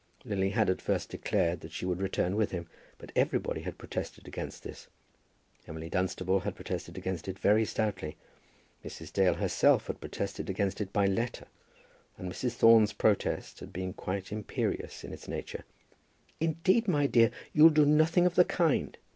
Lily had at first declared that she would return with him, but everybody had protested against this. Emily Dunstable had protested against it very stoutly; Mrs. Dale herself had protested against it by letter; and Mrs. Thorne's protest had been quite imperious in its nature. "Indeed, my dear, you'll do nothing of the kind.